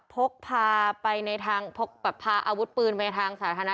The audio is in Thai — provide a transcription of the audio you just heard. พกพาอาวุธปืนไปทางสาธารณะ